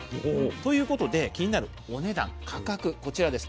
ということで気になるお値段価格こちらです。